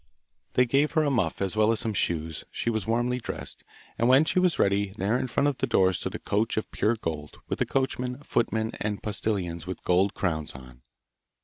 They gave her a muff as well as some shoes; she was warmly dressed, and when she was ready, there in front of the door stood a coach of pure gold, with a coachman, footmen and postilions with gold crowns on.